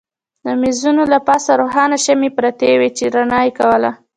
د مېزونو له پاسه روښانه شمعې پرتې وې چې رڼا یې کوله.